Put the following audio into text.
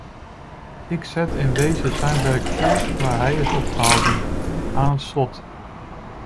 Ik zet in wezen zijn werk voort waar hij is opgehouden, aan het slot.